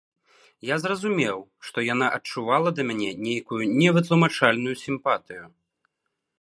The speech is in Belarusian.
Я зразумеў, што яна адчувала да мяне нейкую невытлумачальную сімпатыю.